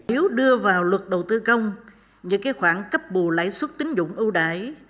nếu đưa vào luật đầu tư công những khoản cấp bù lãi suất tính dụng ưu đại